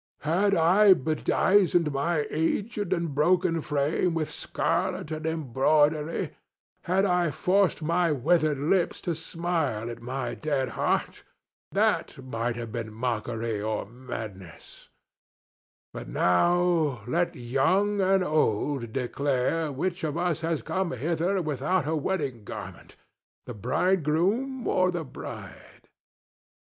Had I bedizened my aged and broken frame with scarlet and embroidery, had I forced my withered lips to smile at my dead heart, that might have been mockery or madness; but now let young and old declare which of us has come hither without a wedding garment—the bridegroom or the bride."